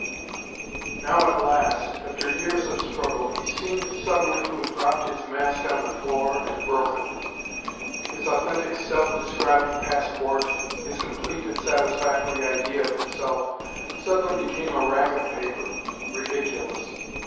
Now at last, after years of struggle, he seemed suddenly to have dropped his mask on the floor, and broken it. His authentic self describing passport, his complete and satisfactory idea of himself suddenly became a rag of paper, ridiculous.